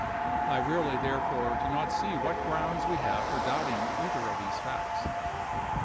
I really, therefore, do not see what grounds we have for doubting either of these facts.